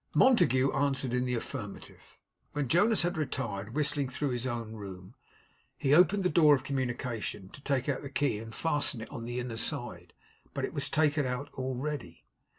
Montague answered in the affirmative. When Jonas had retired, whistling, through his own room, he opened the door of communication, to take out the key and fasten it on the inner side. But it was taken out already.